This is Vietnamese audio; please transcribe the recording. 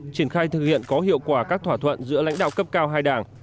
triển khai thực hiện có hiệu quả các thỏa thuận giữa lãnh đạo cấp cao hai đảng